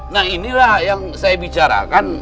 nah inilah yang saya bicarakan